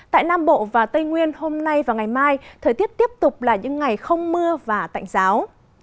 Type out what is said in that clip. tại nam bộ và tây nguyên hôm nay và ngày mai thời tiết tiếp tục là những ngày không mưa và tạnh giáo